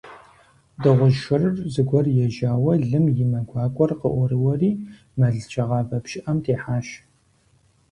Дыгъужь шырыр зэгуэр ежьауэ лым и мэ гуакӀуэр къыӀурыуэри, мэл щагъавэ пщыӀэм техьащ.